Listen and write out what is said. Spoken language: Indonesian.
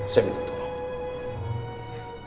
saya minta tuhan